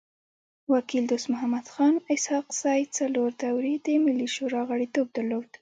وکيل دوست محمد خان اسحق زی څلور دوري د ملي شورا غړیتوب درلود.